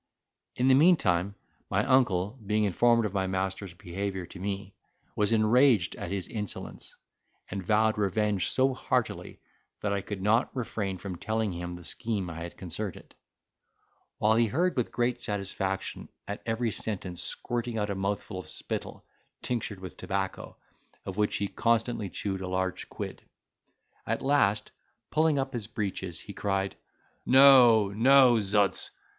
In the meantime, my uncle, being informed of my master's behaviour to me, was enraged at his insolence, and vowed revenge so heartily that I could not refrain from telling him the scheme I had concerted, while he heard with great satisfaction, at every sentence squirting out a mouthful of spittle, tinctured with tobacco, of which he constantly chewed a large quid. At last, pulling up his breeches, he cried, "No, no, z—ds!